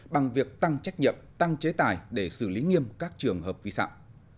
bằng việc tăng trách nhiệm tăng chế tài để xử lý nghiêm các trường hợp vi phạm